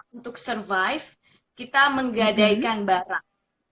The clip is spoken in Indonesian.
untuk survive kita menggadaikan barang